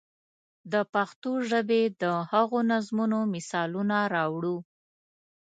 د پښتو ژبې د هغو نظمونو مثالونه راوړو.